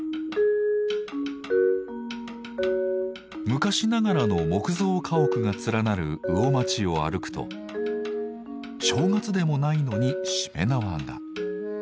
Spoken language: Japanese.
昔ながらの木造家屋が連なる魚まちを歩くと正月でもないのにしめ縄が。